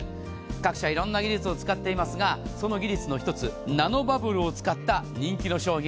各社、色んな技術を使っていますがその技術の１つナノバブルを使った人気の商品。